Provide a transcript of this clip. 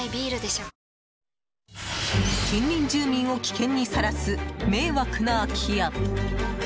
近隣住民を危険にさらす迷惑な空き家。